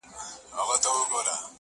• زه په لحد کي جنډۍ به ناڅي -